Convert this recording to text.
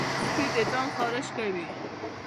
سپي د ځان خارش کوي.